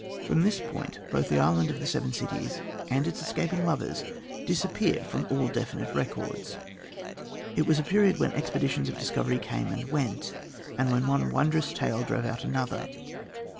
From this point both the Island of the Seven Cities and its escaping lovers disappear from all definite records. It was a period when expeditions of discovery came and went, and when one wondrous tale drove out another.